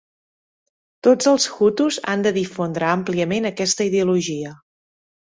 Tots els hutus han de difondre àmpliament aquesta ideologia.